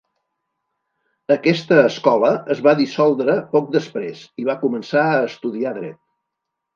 Aquesta escola es va dissoldre poc després i va començar a estudiar dret.